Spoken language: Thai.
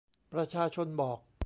ประชาชนบอก